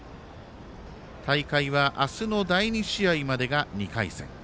大会は明日の第２試合までが２回戦。